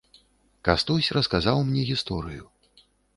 Кастусь расказаў мне гісторыю.